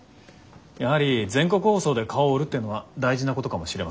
やはり全国放送で顔を売るっていうのは大事なことかもしれません。